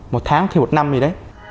một tháng thì một năm gì đấy